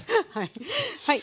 はい。